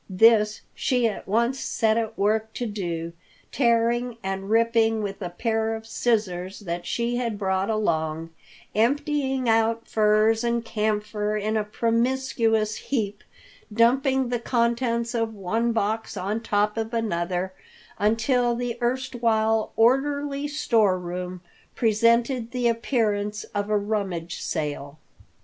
This she at once set at work to do, tearing and ripping with a pair of scissors that she had brought along, emptying out furs and camphor in a promiscuous heap, dumping the contents of one box on top of another until the erstwhile orderly store room presented the appearance of a rummage sale.